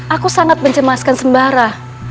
aku sangat mencemaskan sembara